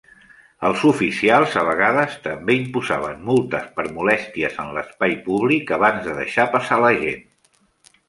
Els oficials a vegades també imposaven multes per molèsties en l'espai públic abans de deixar passar a la gent.